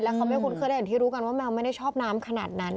เขาไม่คุ้นเคยได้อย่างที่รู้กันว่าแมวไม่ได้ชอบน้ำขนาดนั้น